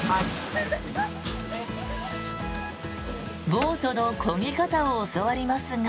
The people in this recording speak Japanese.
ボートのこぎ方を教わりますが。